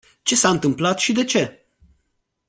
Ce s-a întâmplat și de ce?